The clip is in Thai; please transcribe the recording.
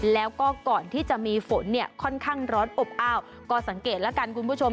แล้วก็ก่อนที่จะมีฝนเนี่ยค่อนข้างร้อนอบอ้าวก็สังเกตแล้วกันคุณผู้ชม